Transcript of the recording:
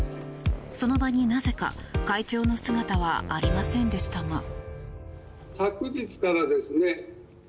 その場に、なぜか会長の姿はありませんでしたが。